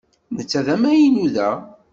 Netta d amaynu da.